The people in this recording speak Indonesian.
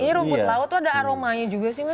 ini rumput laut tuh ada aromanya juga sih mas